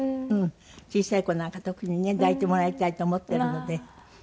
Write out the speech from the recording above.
小さい子なんか特にね抱いてもらいたいと思っているので。